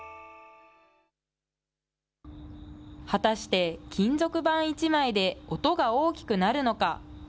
果たして、金属板１枚で音が大きくなるのか。